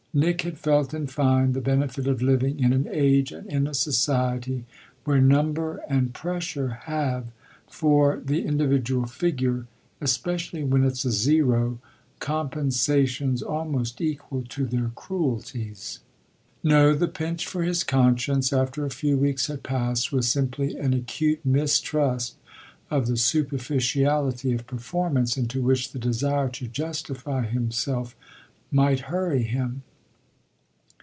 Nick had felt in fine the benefit of living in an age and in a society where number and pressure have, for the individual figure, especially when it's a zero, compensations almost equal to their cruelties. No, the pinch for his conscience after a few weeks had passed was simply an acute mistrust of the superficiality of performance into which the desire to justify himself might hurry him.